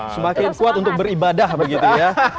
semakin kuat untuk beribadah begitu ya